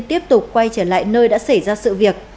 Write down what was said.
tiếp tục quay trở lại nơi đã xảy ra sự việc